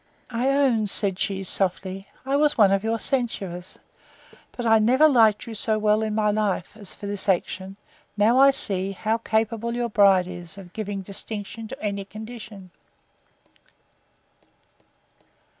I own, said she, softly, I was one of your censurers; but I never liked you so well in my life, as for this action, now I see how capable your bride is of giving distinction to any condition.